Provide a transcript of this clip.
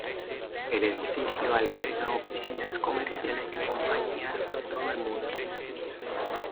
El edificio alberga oficinas comerciales de compañías de todo el mundo.